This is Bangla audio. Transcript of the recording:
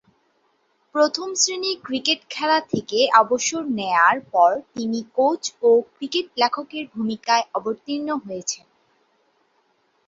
প্রথম-শ্রেণীর ক্রিকেট খেলা থেকে অবসর নেয়ার পর তিনি কোচ ও ক্রিকেট লেখকের ভূমিকায় অবতীর্ণ হয়েছেন।